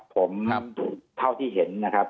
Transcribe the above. ผมเท่าที่เห็นนะครับ